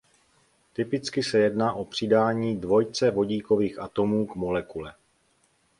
Typicky se jedná o přidání dvojice vodíkových atomů k molekule.